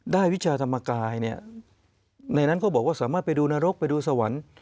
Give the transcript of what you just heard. วิชาธรรมกายเนี่ยในนั้นก็บอกว่าสามารถไปดูนรกไปดูสวรรค์